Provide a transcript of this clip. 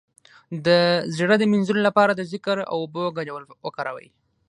د زړه د مینځلو لپاره د ذکر او اوبو ګډول وکاروئ